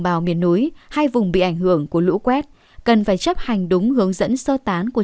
bào miền núi hay vùng bị ảnh hưởng của lũ quét cần phải chấp hành đúng hướng dẫn sơ tán của